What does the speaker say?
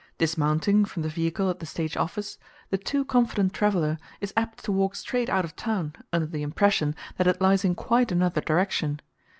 Dismounting from the vehicle at the stage office, the too confident traveler is apt to walk straight out of town under the impression that it lies in quite another direction.